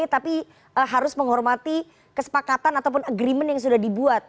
tapi harus menghormati kesepakatan ataupun agreement yang sudah dibuat